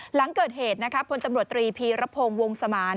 หลังเกิดเหตุพลตำรวจตรีพีรพงศ์วงสมาน